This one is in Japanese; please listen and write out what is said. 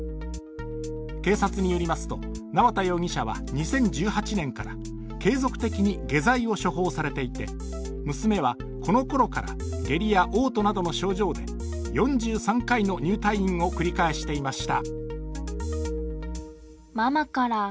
警察によりますと縄田容疑者は２０１８年から継続的に下剤を処方されていて、娘はこのころから下痢やおう吐などの症状で４３回の入退院を繰り返していました。